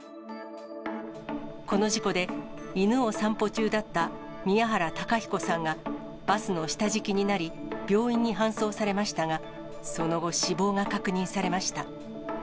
この事故で、犬を散歩中だった宮原隆彦さんが、バスの下敷きになり、病院に搬送されましたが、その後、死亡が確認されました。